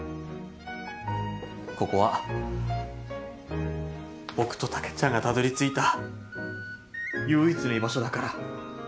ここは僕と竹ちゃんがたどりついた唯一の居場所だから。